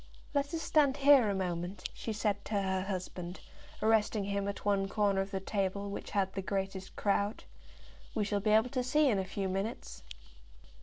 "Let us stand here a moment," she said to her husband, arresting him at one corner of the table which had the greatest crowd. "We shall be able to see in a few minutes."